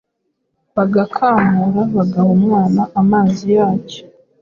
bagakamura bagaha umwana amazi yacyo